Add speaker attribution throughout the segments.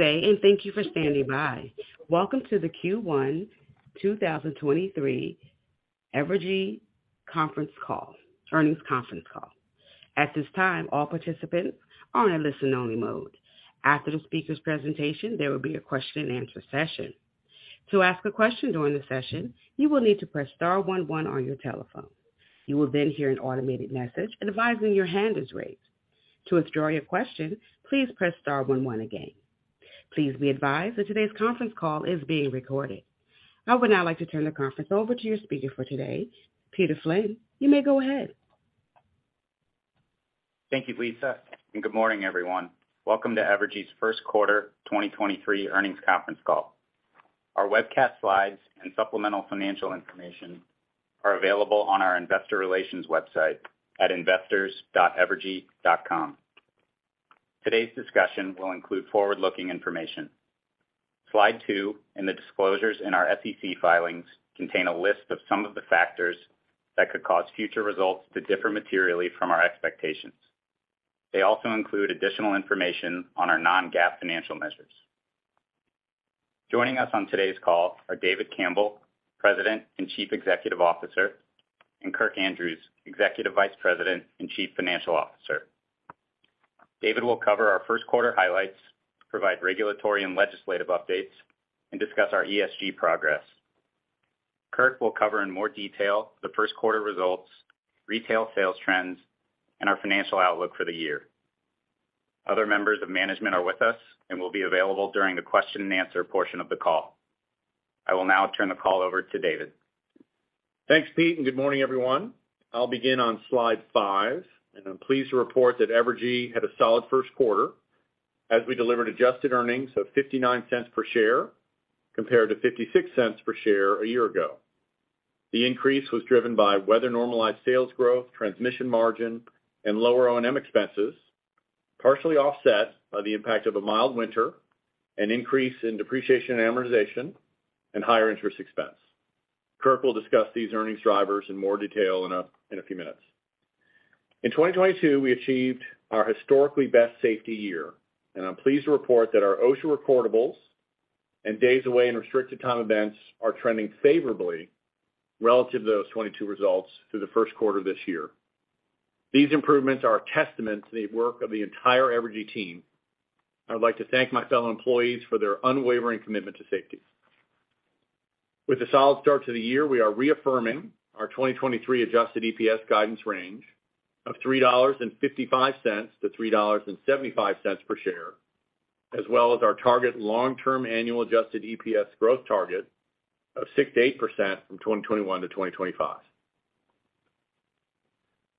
Speaker 1: Good day. Thank you for standing by. Welcome to the Q1 2023 Evergy conference call, earnings conference call. At this time, all participants are in listen only mode. After the speaker's presentation, there will be a question and answer session. To ask a question during the session, you will need to press star one one on your telephone. You will hear an automated message advising your hand is raised. To withdraw your question, please press star one one again. Please be advised that today's conference call is being recorded. I would now like to turn the conference over to your speaker for today, Peter Flynn. You may go ahead.
Speaker 2: Thank you, Lisa. Good morning, everyone. Welcome to Evergy's first quarter 2023 earnings conference call. Our webcast slides and supplemental financial information are available on our investor relations website at investors.evergy.com. Today's discussion will include forward-looking information. Slide two and the disclosures in our SEC filings contain a list of some of the factors that could cause future results to differ materially from our expectations. They also include additional information on our non-GAAP financial measures. Joining us on today's call are David Campbell, President and Chief Executive Officer, and Kirk Andrews, Executive Vice President and Chief Financial Officer. David will cover our first quarter highlights, provide regulatory and legislative updates, and discuss our ESG progress. Kirk will cover in more detail the first quarter results, retail sales trends, and our financial outlook for the year. Other members of management are with us and will be available during the question and answer portion of the call. I will now turn the call over to David.
Speaker 3: Thanks, Pete. Good morning, everyone. I'll begin on slide five. I'm pleased to report that Evergy had a solid first quarter as we delivered adjusted earnings of $0.59 per share compared to $0.56 per share a year ago. The increase was driven by weather normalized sales growth, transmission margin, and lower O&M expenses, partially offset by the impact of a mild winter and increase in depreciation and amortization and higher interest expense. Kirk will discuss these earnings drivers in more detail in a few minutes. In 2022, we achieved our historically best safety year. I'm pleased to report that our OSHA recordables and days away in restricted time events are trending favorably relative to those 22 results through the first quarter this year. These improvements are a testament to the work of the entire Evergy team. I'd like to thank my fellow employees for their unwavering commitment to safety. With a solid start to the year, we are reaffirming our 2023 adjusted EPS guidance range of $3.55 to $3.75 per share, as well as our target long-term annual adjusted EPS growth target of 6%-8% from 2021 to 2025.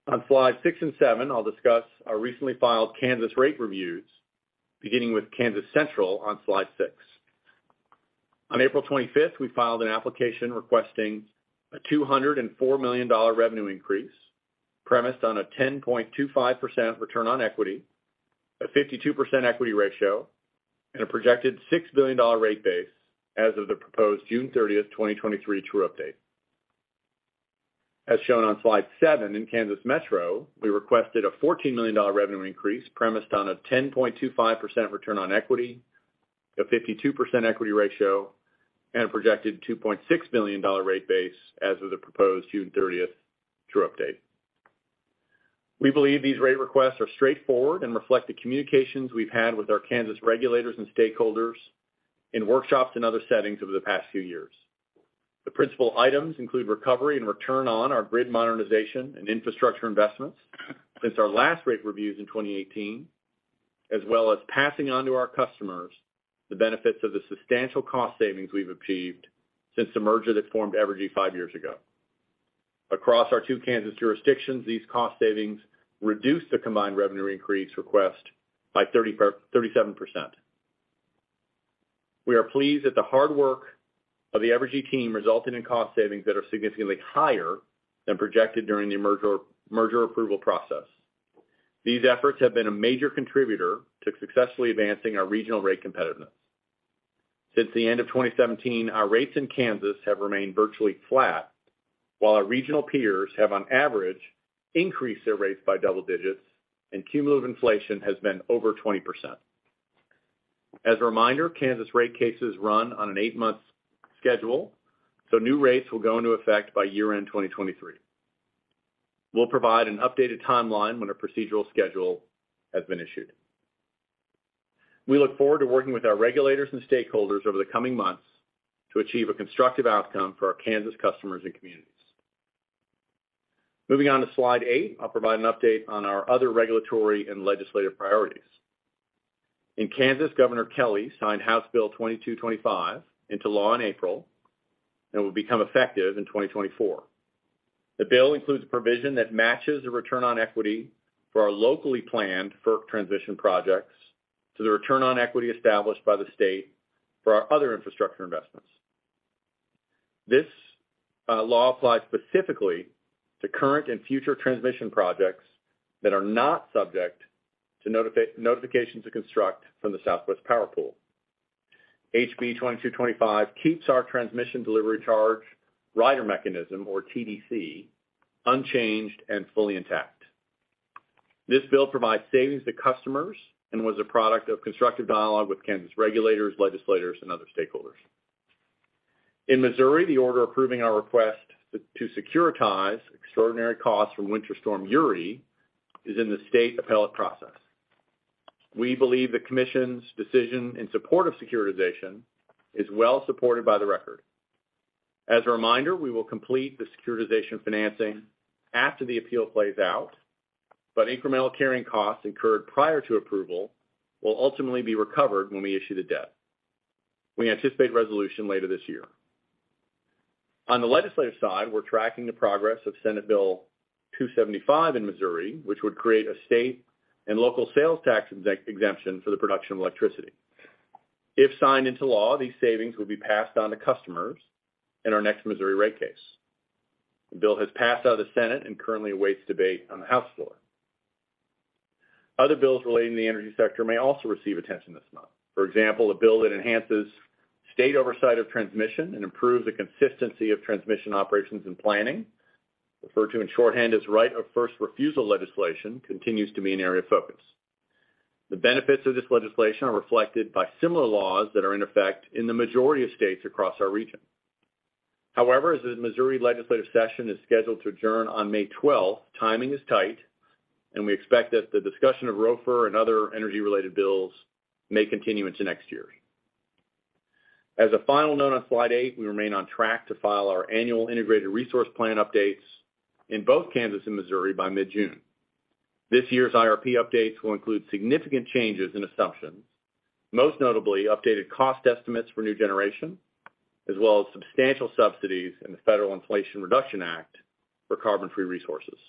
Speaker 3: On slide six and seven, I'll discuss our recently filed Kansas rate reviews, beginning with Kansas Central on slide six. On April 25th, we filed an application requesting a $204 million revenue increase premised on a 10.25% return on equity, a 52% equity ratio, and a projected $6 billion rate base as of the proposed June 30th, 2023 true update. As shown on slide seven, in Kansas Metro, we requested a $14 million revenue increase premised on a 10.25% return on equity, a 52% equity ratio, and a projected $2.6 billion rate base as of the proposed June 30th true update. We believe these rate requests are straightforward and reflect the communications we've had with our Kansas regulators and stakeholders in workshops and other settings over the past few years. The principal items include recovery and return on our grid modernization and infrastructure investments since our last rate reviews in 2018, as well as passing on to our customers the benefits of the substantial cost savings we've achieved since the merger that formed Evergy five years ago. Across our two Kansas jurisdictions, these cost savings reduced the combined revenue increase request by 37%. We are pleased that the hard work of the Evergy team resulted in cost savings that are significantly higher than projected during the merger approval process. These efforts have been a major contributor to successfully advancing our regional rate competitiveness. Since the end of 2017, our rates in Kansas have remained virtually flat, while our regional peers have on average increased their rates by double digits and cumulative inflation has been over 20%. As a reminder, Kansas rate cases run on an 8-month schedule, so new rates will go into effect by year-end 2023. We'll provide an updated timeline when a procedural schedule has been issued. We look forward to working with our regulators and stakeholders over the coming months to achieve a constructive outcome for our Kansas customers and communities. Moving on to slide eight, I'll provide an update on our other regulatory and legislative priorities. In Kansas, Governor Kelly signed House Bill 2225 into law in April and will become effective in 2024. The bill includes a provision that matches the return on equity for our locally planned FERC transition projects to the return on equity established by the state for our other infrastructure investments. This law applies specifically to current and future transmission projects that are not subject to notification to construct from the Southwest Power Pool. HB2225 keeps our transmission delivery charge rider mechanism, or TDC, unchanged and fully intact. This bill provides savings to customers and was a product of constructive dialogue with Kansas regulators, legislators, and other stakeholders. In Missouri, the order approving our request to securitize extraordinary costs from Winter Storm Uri is in the state appellate process. We believe the commission's decision in support of securitization is well supported by the record. As a reminder, we will complete the securitization financing after the appeal plays out, but incremental carrying costs incurred prior to approval will ultimately be recovered when we issue the debt. We anticipate resolution later this year. On the legislative side, we're tracking the progress of Senate Bill 275 in Missouri, which would create a state and local sales tax exemption for the production of electricity. If signed into law, these savings will be passed on to customers in our next Missouri rate case. The bill has passed out of the Senate and currently awaits debate on the House floor. Other bills relating to the energy sector may also receive attention this month. For example, a bill that enhances state oversight of transmission and improves the consistency of transmission operations and planning, referred to in shorthand as right of first refusal legislation, continues to be an area of focus. The benefits of this legislation are reflected by similar laws that are in effect in the majority of states across our region. As the Missouri legislative session is scheduled to adjourn on May 12th, timing is tight, and we expect that the discussion of ROFR and other energy-related bills may continue into next year. As a final note on slide eight, we remain on track to file our annual integrated resource plan updates in both Kansas and Missouri by mid-June. This year's IRP updates will include significant changes in assumptions, most notably updated cost estimates for new generation, as well as substantial subsidies in the Federal Inflation Reduction Act for carbon-free resources.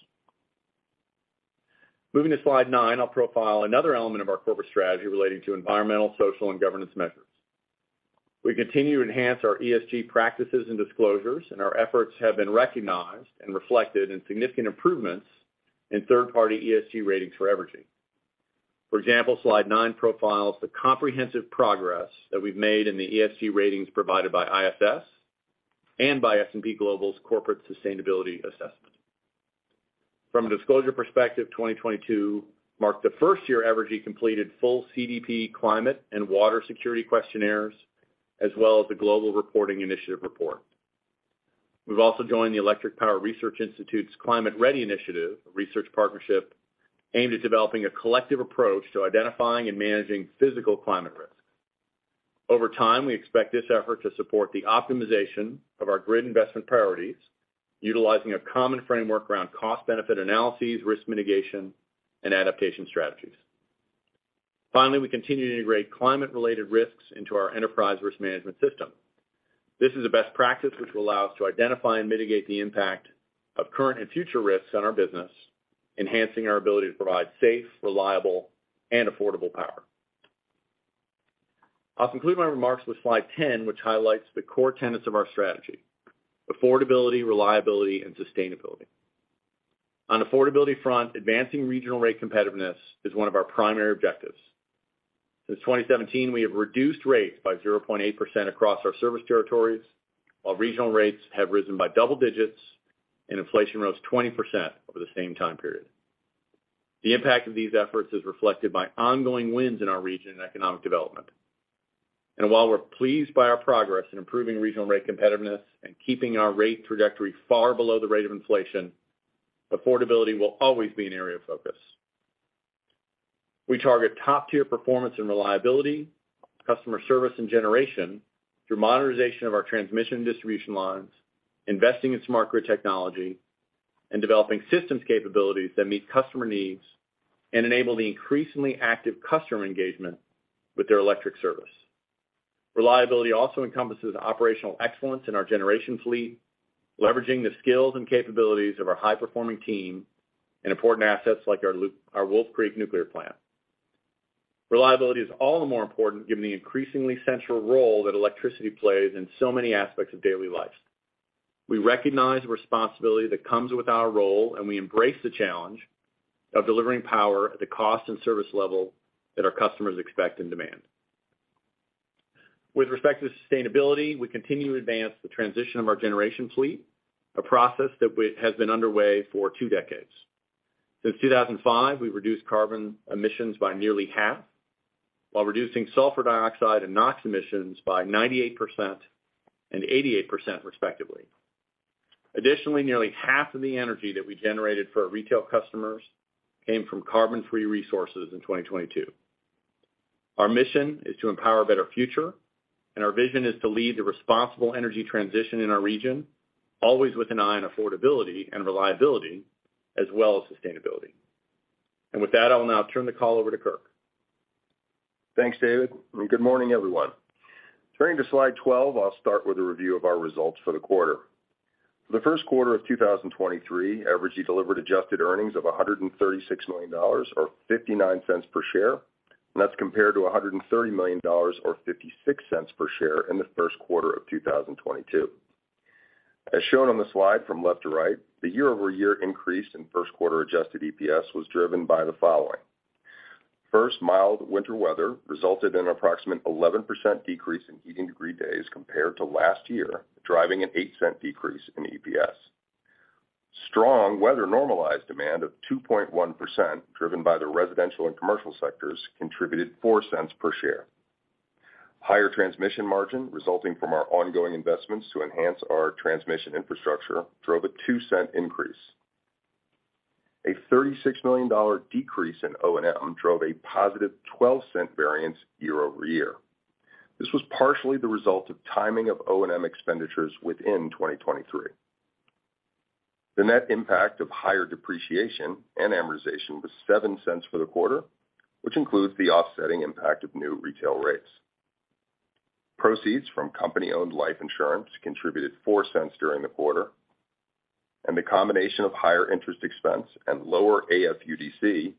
Speaker 3: Moving to Slide nine, I'll profile another element of our corporate strategy relating to environmental, social, and governance measures. We continue to enhance our ESG practices and disclosures, and our efforts have been recognized and reflected in significant improvements in third-party ESG ratings for Evergy. For example, Slide nine profiles the comprehensive progress that we've made in the ESG ratings provided by ISS and by S&P Global's Corporate Sustainability Assessment. From a disclosure perspective, 2022 marked the first year Evergy completed full CDP climate and water security questionnaires, as well as the Global Reporting Initiative report. We've also joined the Electric Power Research Institute's Climate READi Initiative, a research partnership aimed at developing a collective approach to identifying and managing physical climate risk. Over time, we expect this effort to support the optimization of our grid investment priorities, utilizing a common framework around cost-benefit analyses, risk mitigation, and adaptation strategies. Finally, we continue to integrate climate-related risks into our enterprise risk management system. This is a best practice which will allow us to identify and mitigate the impact of current and future risks on our business, enhancing our ability to provide safe, reliable, and affordable power. I'll conclude my remarks with slide ten, which highlights the core tenets of our strategy: affordability, reliability, and sustainability. On affordability front, advancing regional rate competitiveness is one of our primary objectives. Since 2017, we have reduced rates by 0.8% across our service territories, while regional rates have risen by double digits and inflation rose 20% over the same time period. The impact of these efforts is reflected by ongoing wins in our region in economic development. While we're pleased by our progress in improving regional rate competitiveness and keeping our rate trajectory far below the rate of inflation, affordability will always be an area of focus. We target top-tier performance and reliability, customer service and generation through modernization of our transmission and distribution lines, investing in smart grid technology, and developing systems capabilities that meet customer needs and enable the increasingly active customer engagement with their electric service. Reliability also encompasses operational excellence in our generation fleet, leveraging the skills and capabilities of our high-performing team and important assets like our Wolf Creek nuclear plant. Reliability is all the more important given the increasingly central role that electricity plays in so many aspects of daily life. We recognize the responsibility that comes with our role, and we embrace the challenge of delivering power at the cost and service level that our customers expect and demand. With respect to sustainability, we continue to advance the transition of our generation fleet, a process that has been underway for two decades. Since 2005, we've reduced carbon emissions by nearly half while reducing sulfur dioxide and NOx emissions by 98% and 88% respectively. Additionally, nearly half of the energy that we generated for our retail customers came from carbon-free resources in 2022. Our mission is to empower a better future, and our vision is to lead the responsible energy transition in our region, always with an eye on affordability and reliability as well as sustainability. With that, I'll now turn the call over to Kirk.
Speaker 4: Thanks, David. Good morning, everyone. Turning to slide twelve, I'll start with a review of our results for the quarter. For the first quarter of 2023, Evergy delivered adjusted earnings of $136 million or $0.59 per share. That's compared to $130 million or $0.56 per share in the first quarter of 2022. As shown on the slide from left to right, the year-over-year increase in first quarter adjusted EPS was driven by the following. First, mild winter weather resulted in an approximate 11% decrease in heating degree days compared to last year, driving an $0.08 decrease in EPS. Strong weather normalized demand of 2.1%, driven by the residential and commercial sectors, contributed $0.04 per share. Higher transmission margin resulting from our ongoing investments to enhance our transmission infrastructure drove a 2 cent increase. A $36 million decrease in O&M drove a positive 12 cent variance year-over-year. This was partially the result of timing of O&M expenditures within 2023. The net impact of higher depreciation and amortization was 7 cents for the quarter, which includes the offsetting impact of new retail rates. Proceeds from company-owned life insurance contributed 4 cents during the quarter. The combination of higher interest expense and lower AFUDC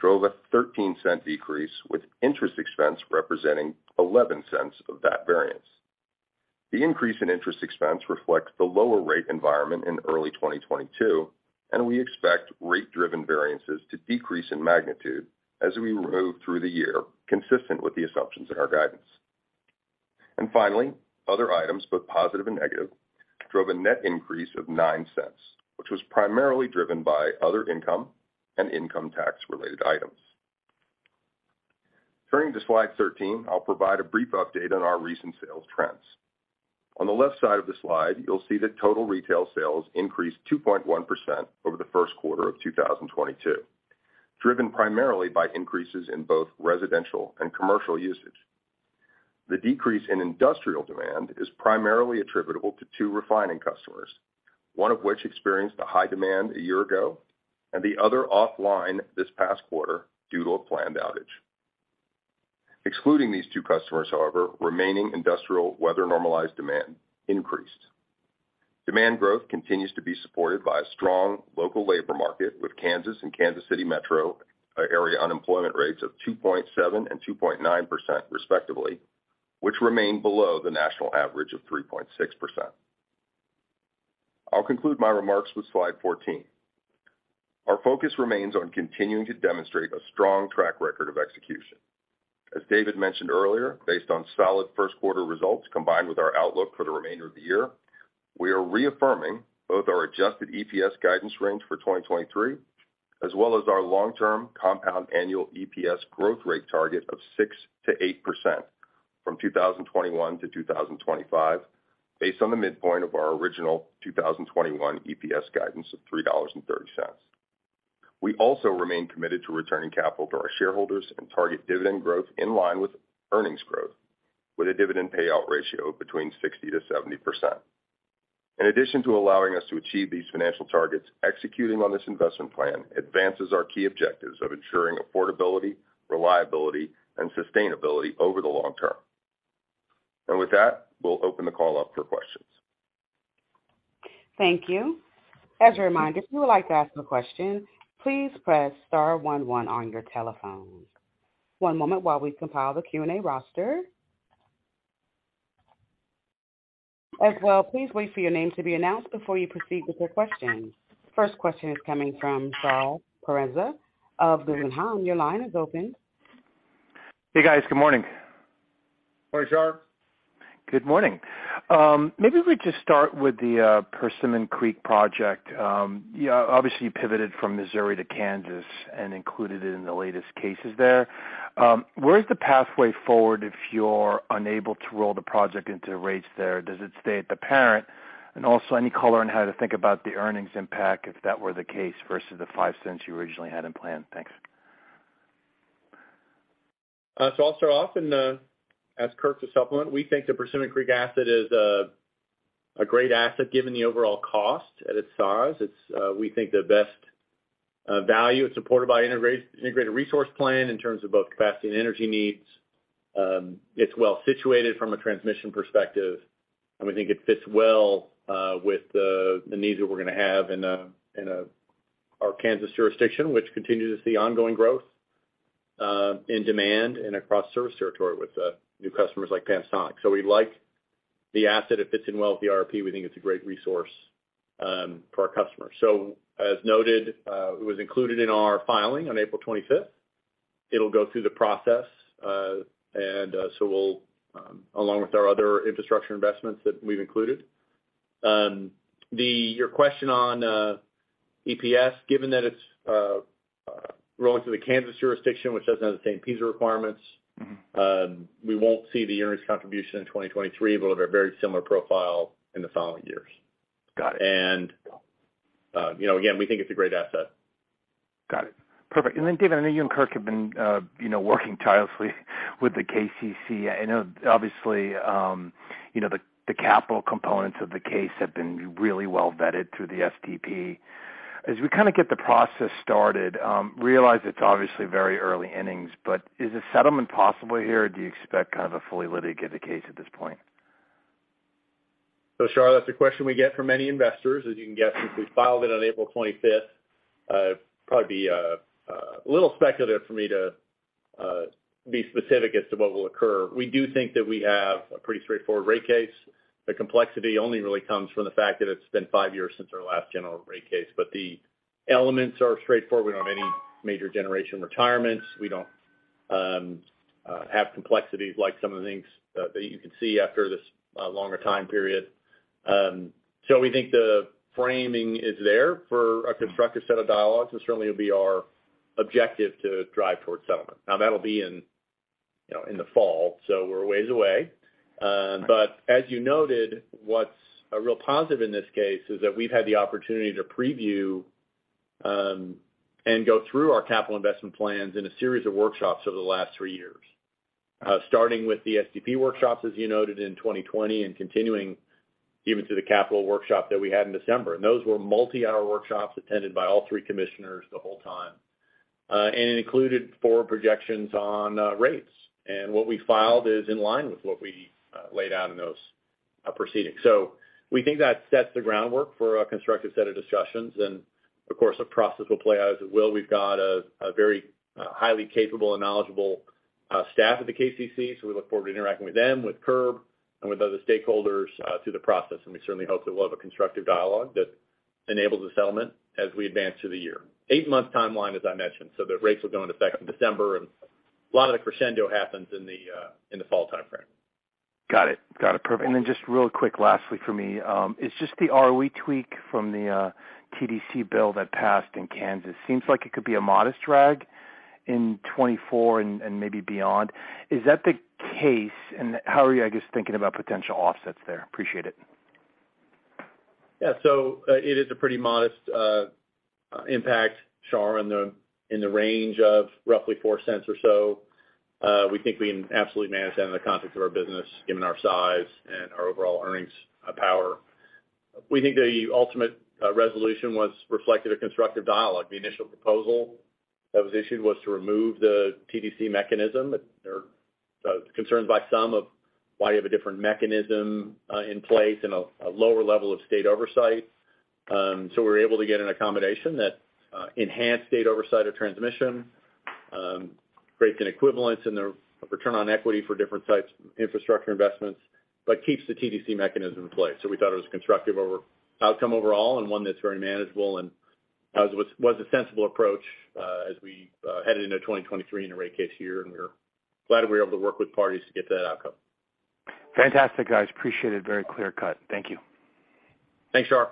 Speaker 4: drove a 13 cent decrease, with interest expense representing 11 cents of that variance. The increase in interest expense reflects the lower rate environment in early 2022, and we expect rate-driven variances to decrease in magnitude as we move through the year, consistent with the assumptions in our guidance. Finally, other items, both positive and negative, drove a net increase of $0.09, which was primarily driven by other income and income tax-related items. Turning to slide thirteen, I'll provide a brief update on our recent sales trends. On the left side of the slide, you'll see that total retail sales increased 2.1% over the 1st quarter of 2022, driven primarily by increases in both residential and commercial usage. The decrease in industrial demand is primarily attributable to two refining customers, one of which experienced a high demand a year ago and the other offline this past quarter due to a planned outage. Excluding these two customers, however, remaining industrial weather normalized demand increased. Demand growth continues to be supported by a strong local labor market, with Kansas and Kansas City Metro area unemployment rates of 2.7% and 2.9% respectively, which remain below the national average of 3.6%. I'll conclude my remarks with slide 14. Our focus remains on continuing to demonstrate a strong track record of execution. As David mentioned earlier, based on solid first quarter results combined with our outlook for the remainder of the year, we are reaffirming both our adjusted EPS guidance range for 2023, as well as our long-term compound annual EPS growth rate target of 6%-8% from 2021 to 2025, based on the midpoint of our original 2021 EPS guidance of $3.30. We also remain committed to returning capital to our shareholders and target dividend growth in line with earnings growth, with a dividend payout ratio between 60%-70%. In addition to allowing us to achieve these financial targets, executing on this investment plan advances our key objectives of ensuring affordability, reliability, and sustainability over the long term. With that, we'll open the call up for questions.
Speaker 1: Thank you. As a reminder, if you would like to ask a question, please press star one one on your telephone. One moment while we compile the Q&A roster. As well, please wait for your name to be announced before you proceed with your question. First question is coming from Shar Pourreza of Goldman Sachs. Your line is open.
Speaker 5: Hey, guys. Good morning.
Speaker 4: Morning, Shar.
Speaker 5: Good morning. Maybe we could just start with the Persimmon Creek project. You pivoted from Missouri to Kansas and included it in the latest cases there. Where is the pathway forward if you're unable to roll the project into rates there? Does it stay at the parent? Any color on how to think about the earnings impact if that were the case versus the $0.05 you originally had in plan? Thanks.
Speaker 3: I'll start off and ask Kirk to supplement. We think the Persimmon Creek asset is a great asset given the overall cost at its size. It's, we think, the best value. It's supported by an integrated resource plan in terms of both capacity and energy needs. It's well-situated from a transmission perspective, and we think it fits well with the needs that we're gonna have in our Kansas jurisdiction, which continues to see ongoing growth in demand and across service territory with new customers like Panasonic. We like the asset. It fits in well with the IRP. We think it's a great resource for our customers. As noted, it was included in our filing on April 25th. It'll go through the process, and so we'll along with our other infrastructure investments that we've included. Your question on EPS, given that it's rolling to the Kansas jurisdiction, which doesn't have the same PISA requirements...
Speaker 5: Mm-hmm.
Speaker 3: We won't see the earnings contribution in 2023, but it'll have a very similar profile in the following years.
Speaker 5: Got it.
Speaker 3: You know, again, we think it's a great asset.
Speaker 5: Got it. Perfect. David, I know you and Kirk have been, you know, working tirelessly with the KCC. I know, obviously, you know, the capital components of the case have been really well-vetted through the STP. As we kind of get the process started, realize it's obviously very early innings, but is a settlement possible here or do you expect kind of a fully litigated case at this point?
Speaker 3: Shar, that's a question we get from many investors. As you can guess, since we filed it on April 25th, probably be a little speculative for me. Be specific as to what will occur. We do think that we have a pretty straightforward rate case. The complexity only really comes from the fact that it's been five years since our last general rate case. The elements are straightforward. We don't have complexities like some of the things that you can see after this longer time period. We think the framing is there for a constructive set of dialogues and certainly will be our objective to drive towards settlement. That'll be in, you know, in the fall, so we're ways away. As you noted, what's a real positive in this case is that we've had the opportunity to preview and go through our capital investment plans in a series of workshops over the last three years. Starting with the STP workshops, as you noted in 2020, and continuing even to the capital workshop that we had in December. Those were multi-hour workshops attended by all three commissioners the whole time. It included four projections on rates. What we filed is in line with what we laid out in those proceedings. We think that sets the groundwork for a constructive set of discussions. Of course, the process will play out as it will. We've got a very highly capable and knowledgeable staff at the KCC, so we look forward to interacting with them, with CURB and with other stakeholders through the process. We certainly hope that we'll have a constructive dialogue that enables a settlement as we advance through the year. Eight-month timeline, as I mentioned, so the rates will go into effect in December, and a lot of the crescendo happens in the fall timeframe.
Speaker 5: Got it. Got it. Perfect. Then just real quick, lastly for me, is just the ROE tweak from the TDC bill that passed in Kansas. Seems like it could be a modest drag in 2024 and maybe beyond. Is that the case? How are you, I guess, thinking about potential offsets there? Appreciate it.
Speaker 3: It is a pretty modest impact, Shar, in the range of roughly $0.04 or so. We think we can absolutely manage that in the context of our business, given our size and our overall earnings power. We think the ultimate resolution was reflective of constructive dialogue. The initial proposal that was issued was to remove the TDC mechanism. There are concerns by some of why you have a different mechanism in place and a lower level of state oversight. We were able to get an accommodation that enhanced state oversight of transmission rates and equivalents and the return on equity for different types of infrastructure investments, but keeps the TDC mechanism in place. We thought it was a constructive outcome overall and one that's very manageable and as was a sensible approach as we headed into 2023 in a rate case year. We're glad we were able to work with parties to get that outcome.
Speaker 5: Fantastic, guys. Appreciate it. Very clear cut. Thank you.
Speaker 3: Thanks, Shar.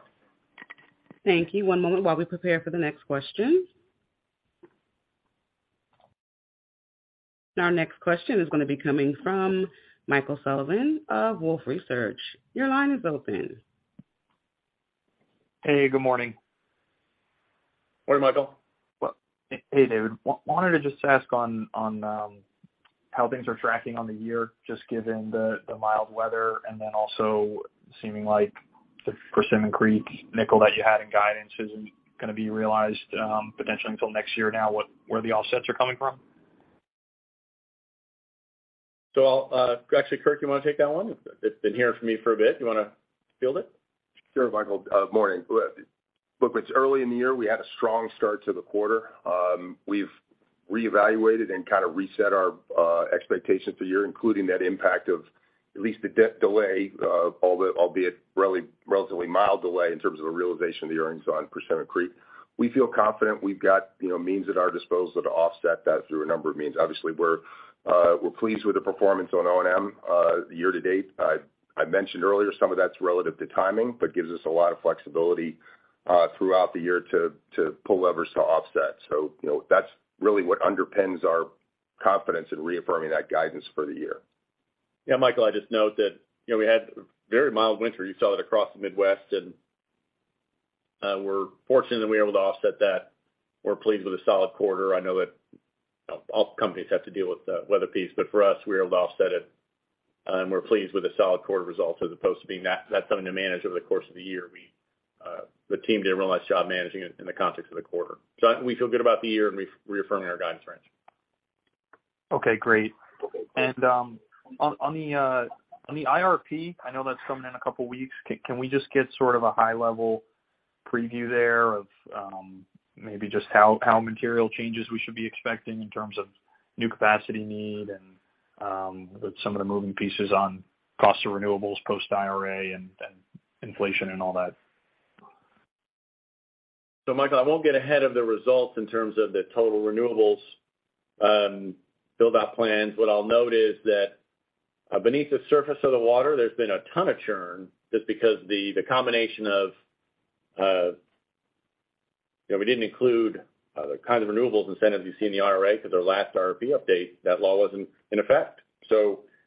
Speaker 1: Thank you. One moment while we prepare for the next question. Our next question is going to be coming from Michael Sullivan of Wolfe Research. Your line is open.
Speaker 6: Hey, good morning.
Speaker 3: Morning, Michael.
Speaker 6: Well, hey, David. wanted to just ask on how things are tracking on the year, just given the mild weather and then also seeming like the Persimmon Creek nickel that you had in guidance isn't gonna be realized, potentially until next year now, where the offsets are coming from?
Speaker 3: Actually, Kirk, you want to take that one? It's been here for me for a bit. You want to field it?
Speaker 4: Sure, Michael. Morning. Look, it's early in the year. We had a strong start to the quarter. We've reevaluated and kind of reset our expectations for the year, including that impact of at least the delay, albeit relatively mild delay in terms of the realization of the earnings on Persimmon Creek. We feel confident we've got, you know, means at our disposal to offset that through a number of means. Obviously, we're pleased with the performance on O&M year to date. I mentioned earlier some of that's relative to timing, but gives us a lot of flexibility throughout the year to pull levers to offset. You know, that's really what underpins our confidence in reaffirming that guidance for the year.
Speaker 3: Yeah, Michael, I just note that, you know, we had a very mild winter. You saw it across the Midwest. We're fortunate that we were able to offset that. We're pleased with a solid quarter. I know that all companies have to deal with the weather piece, for us, we were able to offset it. We're pleased with the solid quarter results as opposed to being that something to manage over the course of the year. The team did a really nice job managing it in the context of the quarter. We feel good about the year and reaffirming our guidance range.
Speaker 6: Okay, great. On the IRP, I know that's coming in a couple weeks. Can we just get sort of a high-level preview there of maybe just how material changes we should be expecting in terms of new capacity need and some of the moving pieces on cost of renewables post IRA and inflation and all that?
Speaker 3: Michael, I won't get ahead of the results in terms of the total renewables build-out plans. What I'll note is that beneath the surface of the water, there's been a ton of churn just because the combination of, you know, we didn't include the kinds of renewables incentives you see in the IRA because their last IRP update, that law wasn't in effect.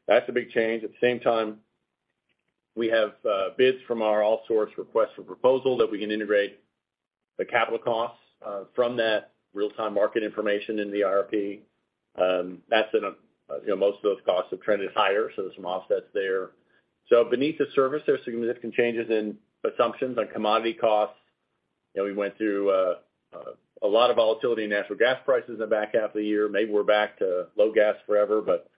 Speaker 3: That's a big change. At the same time, we have bids from our all source request for proposal that we can integrate the capital costs from that real-time market information in the IRP. That's been, you know, most of those costs have trended higher, there's some offsets there. Beneath the surface, there's significant changes in assumptions on commodity costs. You know, we went through a lot of volatility in natural gas prices in the back half of the year. Maybe we're back to low gas forever, but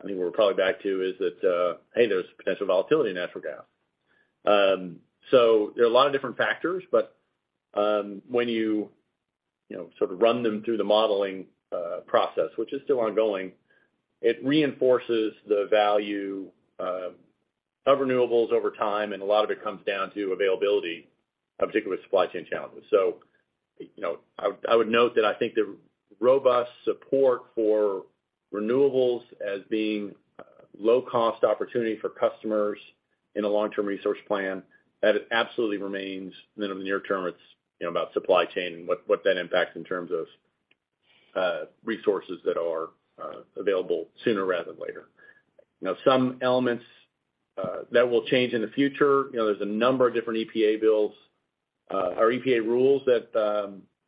Speaker 3: I think what we're probably back to is that, hey, there's potential volatility in natural gas. There are a lot of different factors, but when you know, sort of run them through the modeling process, which is still ongoing, it reinforces the value of renewables over time, and a lot of it comes down to availability, particularly with supply chain challenges. You know, I would note that I think the robust support for renewables as being low cost opportunity for customers in a long-term resource plan, that it absolutely remains, then in the near term, it's, you know, about supply chain and what that impacts in terms of resources that are available sooner rather than later. You know, some elements that will change in the future, you know, there's a number of different EPA bills or EPA rules that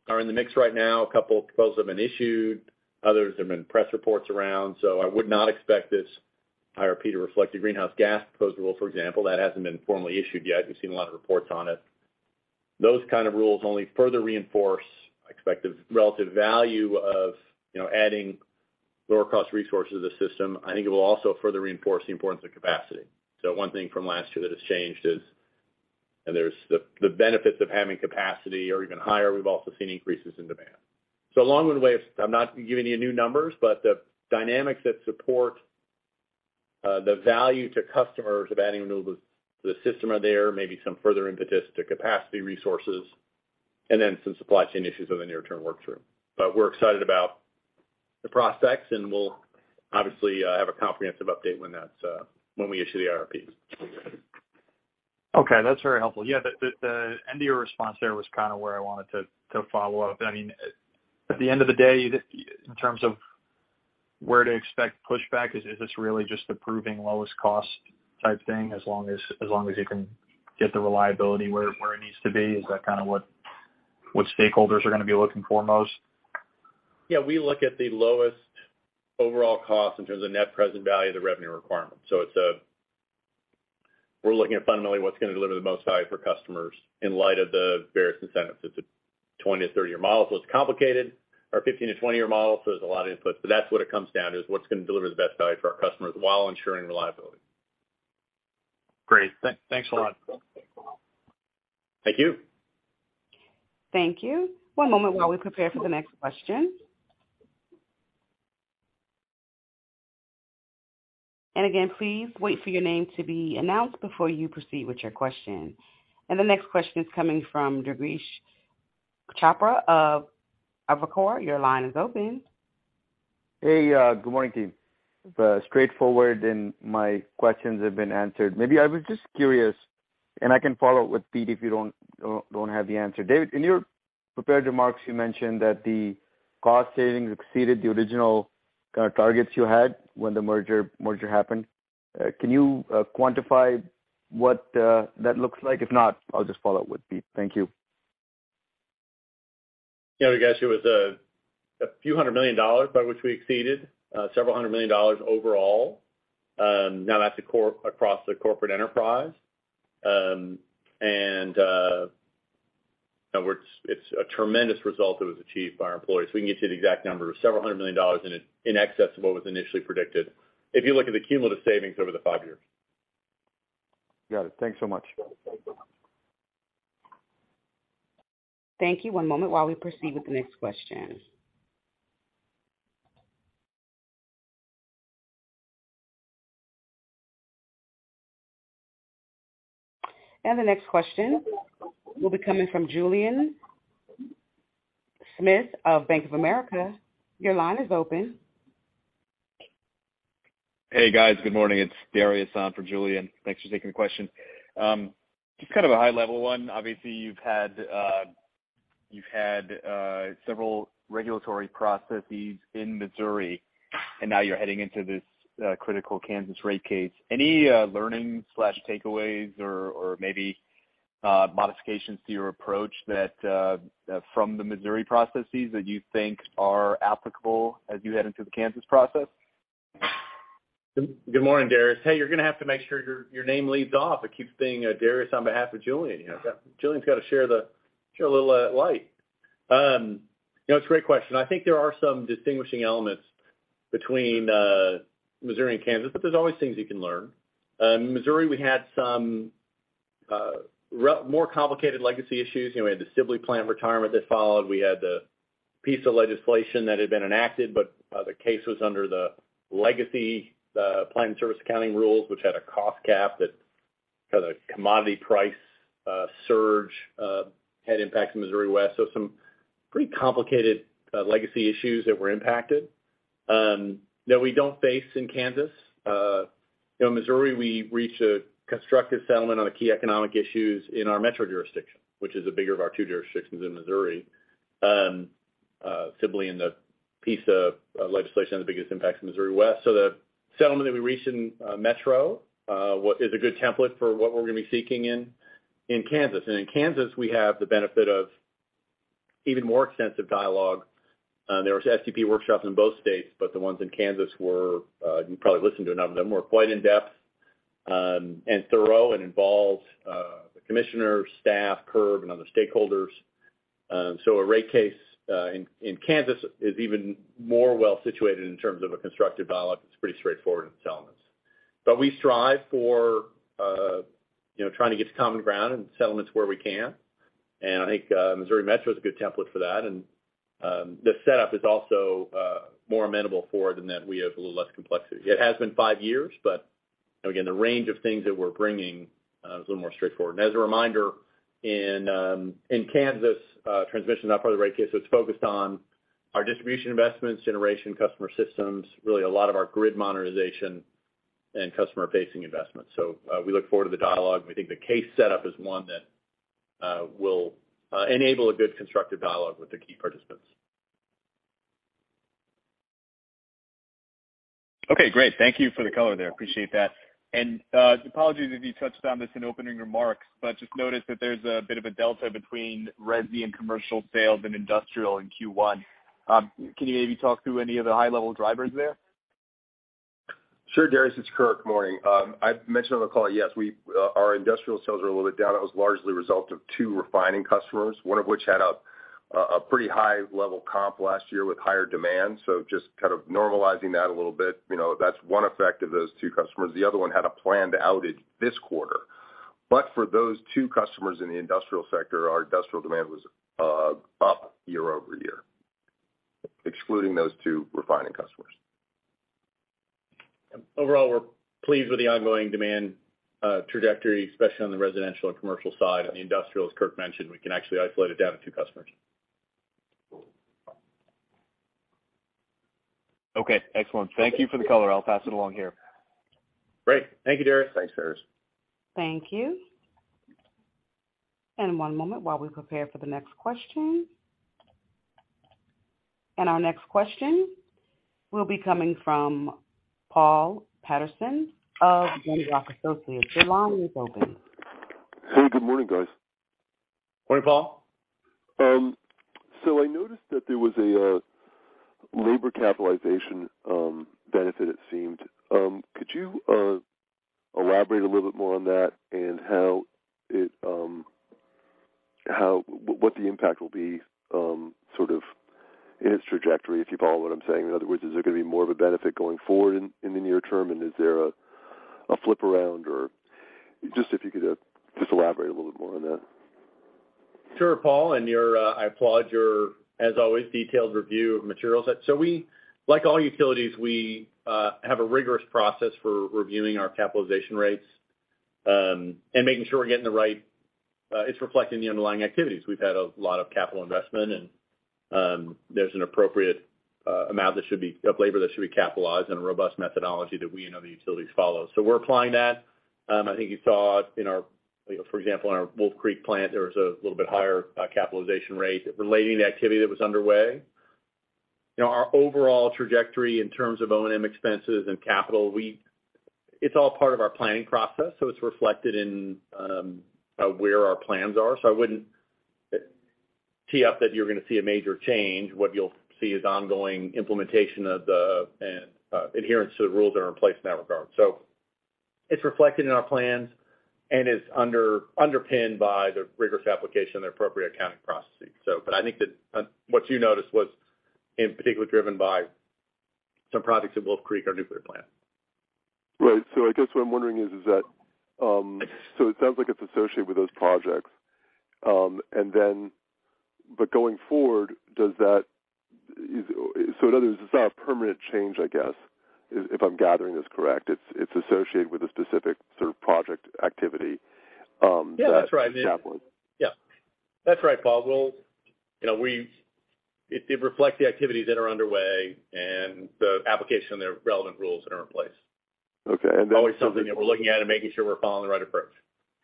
Speaker 3: are in the mix right now. A couple of proposals have been issued, others have been press reports around. I would not expect this IRP to reflect the greenhouse gas proposed rule, for example. That hasn't been formally issued yet. We've seen a lot of reports on it. Those kind of rules only further reinforce, I expect, the relative value of, you know, adding lower cost resources to the system. I think it will also further reinforce the importance of capacity. One thing from last year that has changed is, the benefits of having capacity are even higher. We've also seen increases in demand. Along the way, I'm not giving you new numbers, but the dynamics that support, the value to customers of adding renewables to the system are there, maybe some further impetus to capacity resources, and then some supply chain issues over the near term work through. We're excited about the prospects, and we'll obviously, have a comprehensive update when that's, when we issue the IRP.
Speaker 6: Okay, that's very helpful. Yeah, the end of your response there was kind of where I wanted to follow up. I mean, at the end of the day, in terms of where to expect pushback, is this really just approving lowest cost type thing as long as you can get the reliability where it needs to be? Is that kind of what stakeholders are going to be looking for most?
Speaker 3: Yeah, we look at the lowest overall cost in terms of net present value of the revenue requirement. We're looking at fundamentally what's going to deliver the most value for customers in light of the various incentives. It's a 20-30-year model, so it's complicated. A 15-20-year model, so there's a lot of inputs. That's what it comes down to, is what's going to deliver the best value for our customers while ensuring reliability.
Speaker 6: Great. Thanks a lot.
Speaker 3: Thank you.
Speaker 1: Thank you. One moment while we prepare for the next question. Again, please wait for your name to be announced before you proceed with your question. The next question is coming from Durgesh Chopra of Evercore. Your line is open.
Speaker 7: Hey, good morning, team. Straightforward and my questions have been answered. Maybe I was just curious, and I can follow up with Pete if you don't have the answer. David, in your prepared remarks, you mentioned that the cost savings exceeded the original kind of targets you had when the merger happened. Can you quantify what that looks like? If not, I'll just follow up with Pete. Thank you.
Speaker 3: I guess it was a few hundred million dollars by which we exceeded several hundred million dollars overall. Now that's across the corporate enterprise. You know, it's a tremendous result that was achieved by our employees. We can get you the exact number of several hundred million dollars in excess of what was initially predicted if you look at the cumulative savings over the five years.
Speaker 7: Got it. Thanks so much.
Speaker 1: Thank you. One moment while we proceed with the next question. The next question will be comingDariusz Lozny of Bank of America. Your line is open.
Speaker 8: Hey, guys. Good morning. It's Dariusz, for Julian. Thanks for taking the question. Just kind of a high-level one. Obviously, you've had several regulatory processes in Missouri. Now you're heading into this critical Kansas rate case. Any learning/takeaways or maybe modifications to your approach that from the Missouri processes that you think are applicable as you head into the Kansas process?
Speaker 3: Good morning, Dariusz. Hey, you're going to have to make sure your name leads off. It keeps beingDariusz on behalf of Julian. You know, Julian's got to share a little light. You know, it's a great question. I think there are some distinguishing elements between Missouri and Kansas. There's always things you can learn. In Missouri, we had some more complicated legacy issues. You know, we had the Sibley Plant retirement that followed. We had the piece of legislation that had been enacted, but the case was under the legacy Plant In Service Accounting rules, which had a cost cap that had a commodity price surge, had impacts in Missouri West. Some pretty complicated, legacy issues that were impacted, that we don't face in Kansas. you know, Missouri, we reached a constructive settlement on the key economic issues in our metro jurisdiction, which is the bigger of our two jurisdictions in Missouri, Sibley and the piece of legislation that biggest impacts in Missouri West. The settlement that we reached in metro, what is a good template for what we're going to be seeking in Kansas. In Kansas, we have the benefit of even more extensive dialogue. There was STP workshops in both states, but the ones in Kansas were, you probably listened to a number of them, were quite in-depth, and thorough and involved, the commissioner, staff, CURB, and other stakeholders. A rate case in Kansas is even more well-situated in terms of a constructive dialogue. It's pretty straightforward in settlements. We strive for, you know, trying to get to common ground and settlements where we can. I think Evergy Metro is a good template for that. The setup is also more amenable for it in that we have a little less complexity. It has been five years, but again, the range of things that we're bringing, is a little more straightforward. As a reminder, in Kansas, transmission is not part of the rate case, so it's focused on our distribution investments, generation customer systems, really a lot of our grid modernization and customer-facing investments. We look forward to the dialogue. We think the case setup is one that will enable a good constructive dialogue with the key participants.
Speaker 8: Okay, great. Thank you for the color there. Appreciate that. Apologies if you touched on this in opening remarks, but just noticed that there's a bit of a delta between resi and commercial sales and industrial in Q1. Can you maybe talk through any of the high-level drivers there?
Speaker 4: Sure, Dariusz, it's Kirk. Morning. I mentioned on the call, yes, our industrial sales are a little bit down. That was largely a result of two refining customers, one of which had a pretty high-level comp last year with higher demand. Just kind of normalizing that a little bit, you know, that's one effect of those two customers. The other one had a planned outage this quarter. For those two customers in the industrial sector, our industrial demand was up year-over-year, excluding those two refining customers.
Speaker 3: Overall, we're pleased with the ongoing demand trajectory, especially on the residential and commercial side. On the industrial, as Kirk mentioned, we can actually isolate it down to two customers.
Speaker 8: Okay, excellent. Thank you for the color. I'll pass it along here.
Speaker 4: Great. Thank you, Dariusz.
Speaker 3: Thanks, Dariusz.
Speaker 1: Thank you. One moment while we prepare for the next question. Our next question will be coming from Paul Patterson of Glenrock Associates. Your line is open.
Speaker 9: Hey, good morning, guys.
Speaker 3: Morning, Paul.
Speaker 9: I noticed that there was a labor capitalization benefit, it seemed. Could you elaborate a little bit more on that and how it, what the impact will be, sort of in its trajectory, if you follow what I'm saying? In other words, is there gonna be more of a benefit going forward in the near term, and is there a flip-around or just if you could just elaborate a little bit more on that.
Speaker 3: Sure, Paul, and your, I applaud your, as always, detailed review of materials. Like all utilities, we have a rigorous process for reviewing our capitalization rates and making sure we're getting the right, it's reflecting the underlying activities. We've had a lot of capital investment and there's an appropriate amount of labor that should be capitalized and a robust methodology that we know the utilities follow. We're applying that. I think you saw in our, you know, for example, in our Wolf Creek plant, there was a little bit higher capitalization rate relating to the activity that was underway. You know, our overall trajectory in terms of O&M expenses and capital, it's all part of our planning process, so it's reflected in where our plans are. I wouldn't tee up that you're gonna see a major change. What you'll see is ongoing implementation of and adherence to the rules that are in place in that regard. It's reflected in our plans and is underpinned by the rigorous application and appropriate accounting processes. I think that what you noticed was, in particular, driven by some projects at Wolf Creek, our nuclear plant.
Speaker 9: Right. I guess what I'm wondering is that, it sounds like it's associated with those projects. Going forward, in other words, it's not a permanent change, I guess, if I'm gathering this correct. It's associated with a specific sort of project activity.
Speaker 3: Yeah, that's right. I mean-
Speaker 9: you established.
Speaker 3: Yeah. That's right, Paul. you know, it reflects the activities that are underway and the application and the relevant rules that are in place.
Speaker 9: Okay.
Speaker 3: Always something that we're looking at and making sure we're following the right approach.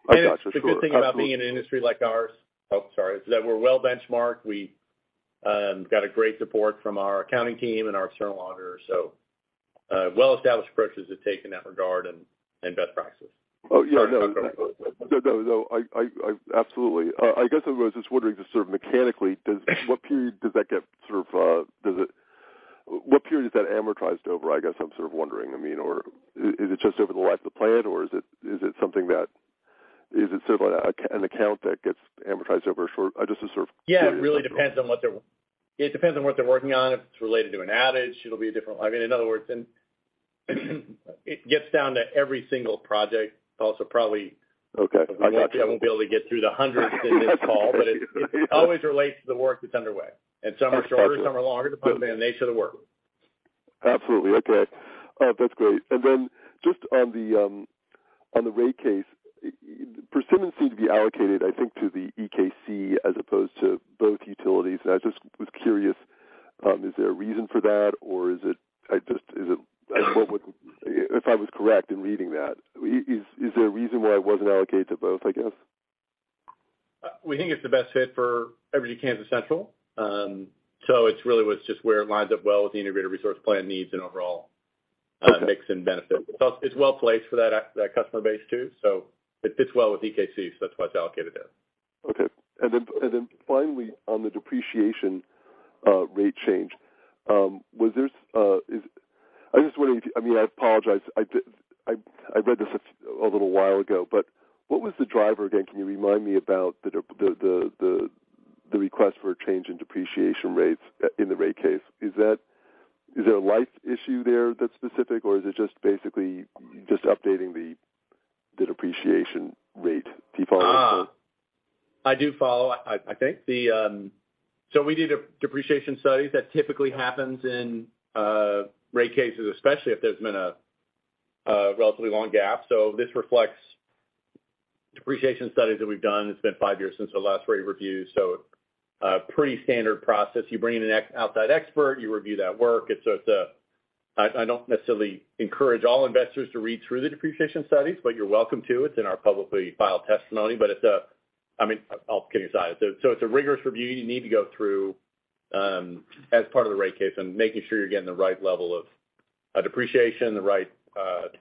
Speaker 9: I got you. Sure.
Speaker 3: It's a good thing about being in an industry like ours, Oh, sorry, is that we're well-benchmarked. We got a great support from our accounting team and our external auditors. Well-established approaches to take in that regard and best practices.
Speaker 9: Oh, yeah. No. No, no, I absolutely. I guess I was just wondering just sort of mechanically, what period does that get sort of, what period is that amortized over, I guess I'm sort of wondering? I mean, or is it just over the life of the plant, or is it something that, is it sort of an account that gets amortized over a short, just to sort of.
Speaker 3: Yeah. It really depends on what they're working on. If it's related to an outage, I mean, in other words, then it gets down to every single project, Paul.
Speaker 9: Okay. I got you.
Speaker 3: I won't be able to get through the hundreds in this call. It always relates to the work that's underway. Some are shorter, some are longer, depending on the nature of the work.
Speaker 9: Absolutely. Okay. That's great. Then just on the, on the rate case, premium seems to be allocated, I think, to the EKC as opposed to both utilities. I just was curious, is there a reason for that or if I was correct in reading that, is there a reason why it wasn't allocated to both, I guess?
Speaker 3: We think it's the best fit for Evergy Kansas Central. It's really was just where it lines up well with the integrated resource plan needs and overall mix and benefit. It's well placed for that customer base too. It fits well with EKC, so that's why it's allocated there.
Speaker 9: Okay. Finally, on the depreciation rate change, what was the driver again? Can you remind me about the request for a change in depreciation rates in the rate case? Is there a life issue there that's specific, or is it just basically just updating the depreciation rate default?
Speaker 3: I do follow, I think. We did a depreciation studies. That typically happens in rate cases, especially if there's been a relatively long gap. This reflects depreciation studies that we've done. It's been five years since the last rate review. A pretty standard process. You bring in an outside expert, you review that work. It's sort of, I don't necessarily encourage all investors to read through the depreciation studies, but you're welcome to. It's in our publicly filed testimony. It's, I mean, all kidding aside, it's a rigorous review you need to go through as part of the rate case and making sure you're getting the right level of depreciation, the right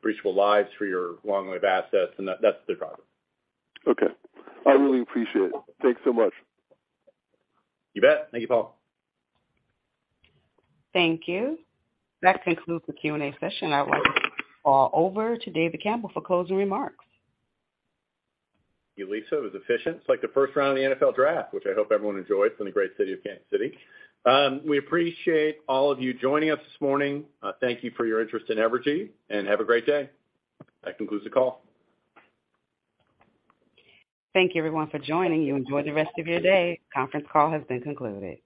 Speaker 3: depreciable lives for your long-lived assets. That's the driver.
Speaker 9: Okay. I really appreciate it. Thanks so much.
Speaker 3: You bet. Thank you, Paul.
Speaker 1: Thank you. That concludes the Q&A session. I will turn it all over to David Campbell for closing remarks.
Speaker 3: Thank you, Lisa. It was efficient. It's like the first round of the NFL draft, which I hope everyone enjoys in the great city of Kansas City. We appreciate all of you joining us this morning. Thank you for your interest in Evergy, and have a great day. That concludes the call.
Speaker 1: Thank you everyone for joining. You enjoy the rest of your day. Conference call has been concluded.